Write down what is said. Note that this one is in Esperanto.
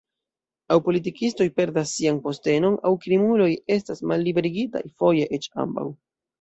Aŭ politikistoj perdas sian postenon, aŭ krimuloj estas malliberigitaj, foje eĉ ambaŭ.